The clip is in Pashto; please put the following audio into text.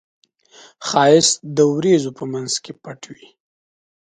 ښایست د وریځو په منځ کې پټ وي